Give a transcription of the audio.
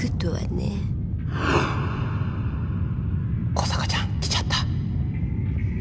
小坂ちゃん来ちゃった